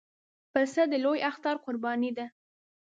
پسه د لوی اختر قرباني ده.